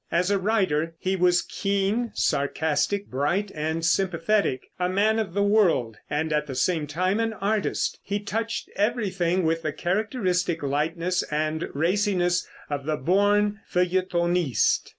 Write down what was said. As a writer, he was keen, sarcastic, bright and sympathetic. A man of the world, and at the same time an artist, he touched everything with the characteristic lightness and raciness of the born feuilletonist.